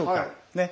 ねっ？